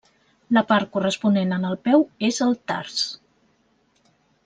La part corresponent en el peu és el tars.